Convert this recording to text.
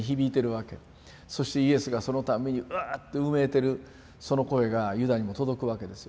そしてイエスがそのたんびにウッ！ってうめいてるその声がユダにも届くわけですよ。